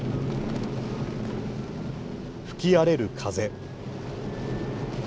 吹き荒れる風。